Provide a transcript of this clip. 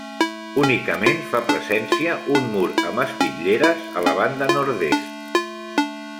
Únicament fa presència un mur amb espitlleres a la banda nord-est.